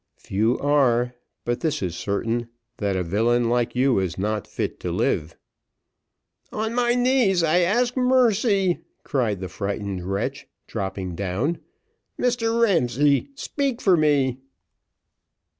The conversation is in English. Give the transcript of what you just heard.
"Few are but this is certain that a villain like you is not fit to live." "On my knees, I ask mercy," cried the frightened wretch, dropping down. "Mr Ramsay, speak for me."